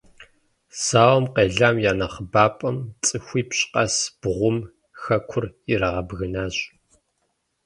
Зауэм къелам я нэхъыбапӀэм - цӀыхуипщӀ къэс бгъум - хэкур ирагъэбгынащ.